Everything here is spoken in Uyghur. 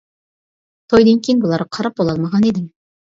تويدىن كېيىن بۇلارغا قاراپ بولالمىغان ئىدىم.